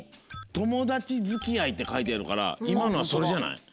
「ともだちづきあい」ってかいてあるからいまのはそれじゃない？